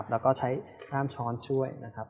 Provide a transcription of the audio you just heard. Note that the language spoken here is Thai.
แล้วก็ใช้ห้ามช้อนช่วยนะครับ